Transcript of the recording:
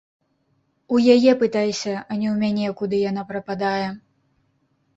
У яе пытайся, а не ў мяне, куды яна прападае.